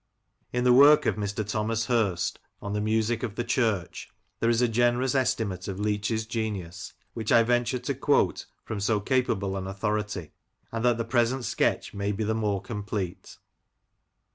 In the work of Mr. Thomas Hirst on " The Music of the Church," there is a generous estimate of Leach's genius, which I venture to quote from so capable an authority, and that the present sketch may be the more complete.